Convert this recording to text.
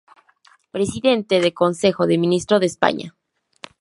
Presidente del Consejo de Ministros de España